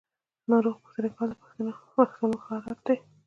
ناروغ پوښتنه کول د پښتنو ښه عادت دی.